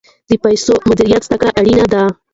د پیسو مدیریت زده کړه اړینه ده.